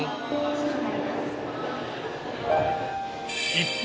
一方